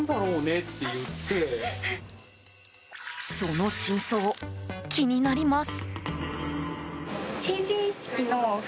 その真相、気になります。